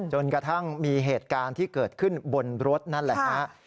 จนกระทั่งมีเหตุการณ์ที่เกิดขึ้นบนรถนั่นแหละฮะ